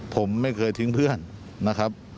ผมไม่เคยทิ้งเพื่อนนะครับ